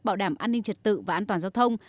bảo đảm an ninh trật tự và an toàn giao thông